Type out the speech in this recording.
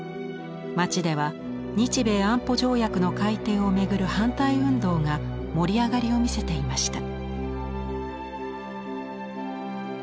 街では日米安保条約の改定を巡る反対運動が盛り上がりを見せていました。